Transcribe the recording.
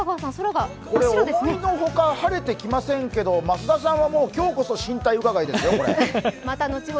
思いのほか、晴れてきませんが増田さんは今日こそ進退伺ですよ。